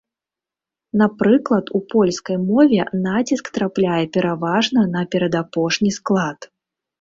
Напрыклад, у польскай мове націск трапляе пераважна на перадапошні склад.